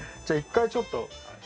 じゃあ１回ちょっと。